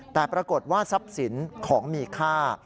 แต่ปรากฏว่าทรัพย์สินของมีค่า